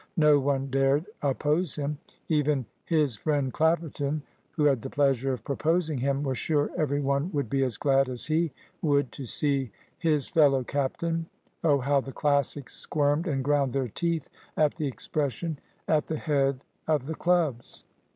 No one dared oppose him. Even "his friend Clapperton," who had the pleasure of proposing him, was sure every one would be as glad as he would to see "his fellow captain" (oh, how the Classics squirmed and ground their teeth at the expression!) at the head of the clubs.